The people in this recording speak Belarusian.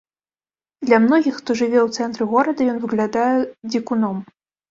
Для многіх, хто жыве ў цэнтры горада, ён выглядае дзікуном!